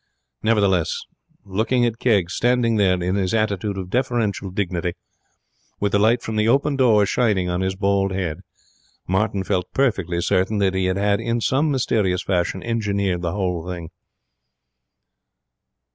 Nevertheless, looking at him standing there in his attitude of deferential dignity, with the light from the open door shining on his bald head, Martin felt perfectly certain that he had in some mysterious fashion engineered the whole thing.